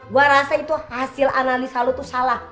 gue rasa itu hasil analisa lo tuh salah